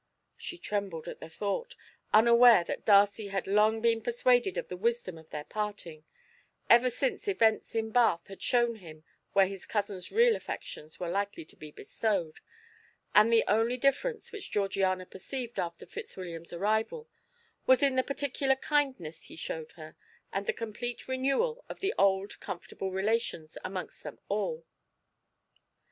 She trembled at the thought, unaware that Darcy had long been persuaded of the wisdom of their parting, ever since events in Bath had shown him where his cousin's real affections were likely to be bestowed, and the only difference which Georgiana perceived after Fitzwilliam's arrival was in the particular kindness he showed her, and the complete renewal of the old comfortable relations amongst them all.